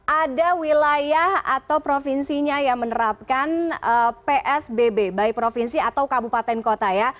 ada wilayah atau provinsinya yang menerapkan psbb baik provinsi atau kabupaten kota ya